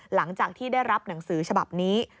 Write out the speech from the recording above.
หลังจากที่ได้รับหนังสือฉบับนี้